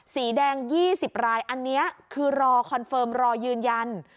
สีแดง๒๐รายอันนี้คือรอคอนเฟิร์มรอยืนยัน